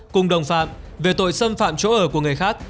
cùng đồng phạm về tội xâm phạm chỗ ở của người khác